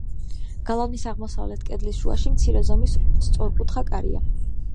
გალავნის აღმოსავლეთ კედლის შუაში მცირე ზომის სწორკუთხა კარია.